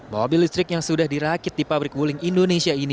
mobil listrik yang sudah dirakit di pabrik wuling indonesia ini